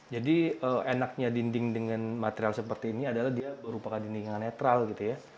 jadi enaknya dinding dengan material seperti ini adalah dia berupakan dinding yang netral gitu ya